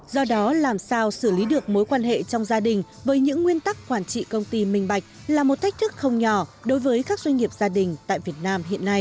do đó làm sao xử lý được mối quan hệ trong gia đình với những nguyên tắc quản trị công ty minh bạch là một thách thức không nhỏ đối với các doanh nghiệp gia đình tại việt nam hiện nay